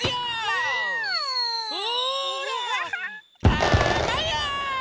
たまや！